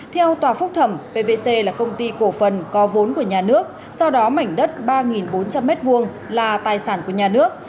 theo tòa phúc thẩm pvc là công ty cổ phần có vốn của nhà nước sau đó mảnh đất ba bốn trăm linh m hai là tài sản của nhà nước